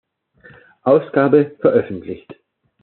Ausgabe veröffentlicht.